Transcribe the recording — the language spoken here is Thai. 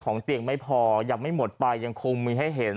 เตียงไม่พอยังไม่หมดไปยังคงมีให้เห็น